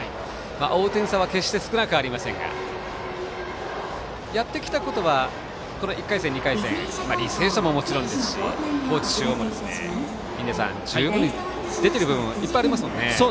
追う点差は少なくありませんがやってきたことはこの１回戦、２回戦履正社はもちろんですし高知中央も十分に出てる部分たくさんありますもんね。